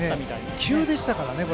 急でしたからね。